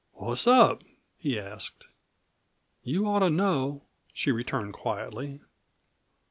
"What's up?" he asked. "You ought to know," she returned quietly.